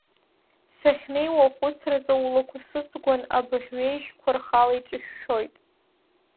Сахьнеиуа ахәыцра ҵаулақәа сыҵгәан, абыӷь ҩеижьқәа рхала иҿышәшәоит.